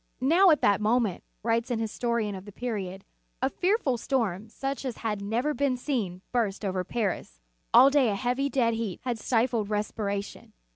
"Now, at that moment," writes an histo rian of the period, "a fearful storm, such as had never been seen, burst over Paris. All day a heavy, dead heat had stifled respi ration.